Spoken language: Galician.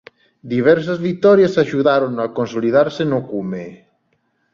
Diversas vitorias axudárono a consolidarse no cume.